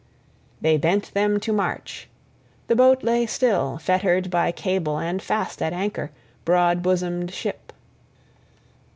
They bent them to march, the boat lay still, fettered by cable and fast at anchor, broad bosomed ship.